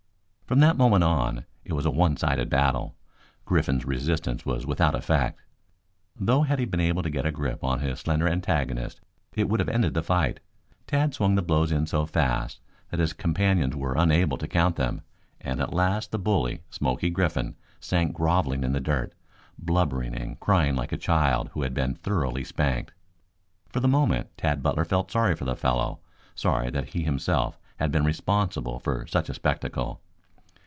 From that moment on it was a one sided battle. Griffin's resistance was without effect, though had he been able to get a grip on his slender antagonist it would have ended the fight. Tad swung the blows in so fast that his companions were unable to count them, and at last the bully, Smoky Griffin, sank groveling in the dirt, blubbering and crying like a child who has been thoroughly spanked. For the moment Tad Butler felt sorry for the fellow, sorry that he himself had been responsible for such a spectacle.